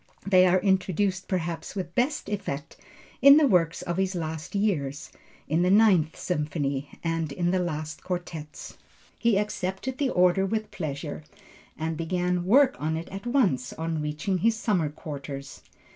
They are introduced perhaps with best effect in the works of his last years, in the Ninth Symphony, and in the last quartets. He accepted the order with pleasure and began work on it at once on reaching his summer quarters.